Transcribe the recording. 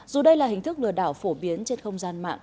dù đây là hình thức lừa đảo phổ biến trên không gian mạng